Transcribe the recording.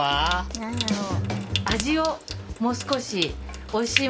何やろう？